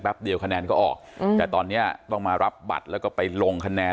เดียวคะแนนก็ออกแต่ตอนนี้ต้องมารับบัตรแล้วก็ไปลงคะแนน